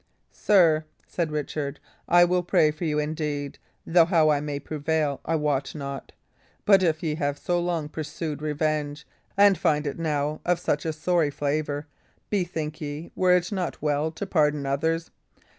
"Sir," said Richard, "I will pray for you, indeed; though how I may prevail I wot not. But if ye have so long pursued revenge, and find it now of such a sorry flavour, bethink ye, were it not well to pardon others?